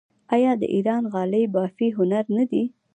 آیا د ایران غالۍ بافي هنر نه دی؟